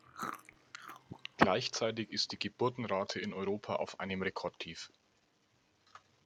Gleichzeitig ist die Geburtenrate in Europa auf einem Rekordtief.